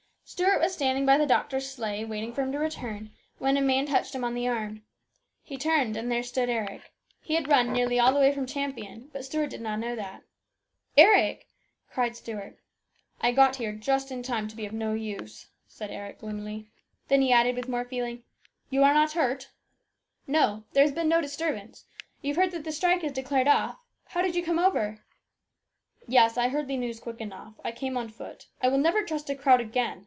Stuart was standing by the doctor's sleigh, waiting for him to return, when a man touched him on the arm. He turned, and there stood Eric. He had run nearly all the way from Champion, but Stuart did not know that. " Eric !" cried Stuart. " I got here just in time to be of no use," said Eric gloomily. Then he added with more feeling, "You are not hurt ?"" No. There has been no disturbance. You've heard that the strike is declared off? How did you come over ?"" Yes ; I heard the news quick enough. I came on foot. I will never trust a crowd again.